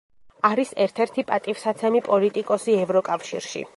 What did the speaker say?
არის ერთ-ერთი პატივსაცემი პოლიტიკოსი ევროკავშირში.